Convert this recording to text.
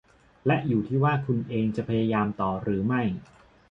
และอยู่ที่ว่าคุณเองจะพยายามต่อหรือไม่